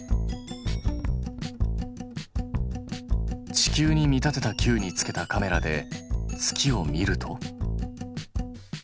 地球に見立てた球に付けたカメラで月を見ると。